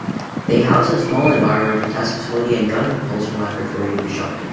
They house a small Environmental Test Facility and Gun Propulsion laboratory at Bishopton.